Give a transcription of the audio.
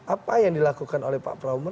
apa yang dilakukan oleh pak prabowo